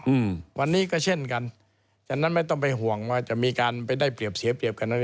อืมวันนี้ก็เช่นกันฉะนั้นไม่ต้องไปห่วงว่าจะมีการไปได้เปรียบเสียเปรียบกันอะไร